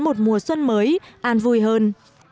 một mùa xuân mới an vui hơn